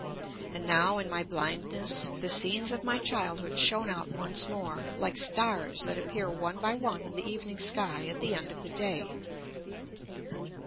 And now, in my blindness, the scenes of my childhood shone out once more, like stars that appear one by one in the evening sky at the end of the day.